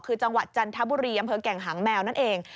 คือจังหวัดจันทบุรีอำเภอแก่งหางแมวนั่นเอง